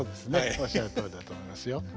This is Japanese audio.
おっしゃるとおりだと思いますよ。